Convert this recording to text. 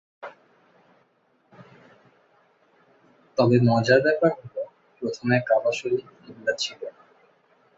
তবে মজার ব্যাপার হলো, প্রথমে কাবা শরিফ কিবলা ছিল না।